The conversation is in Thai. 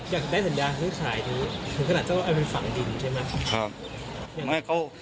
อยากได้สัญญาซื้อขายถึงขนาดเจ้าเอาเป็นฝั่งดินใช่ไหม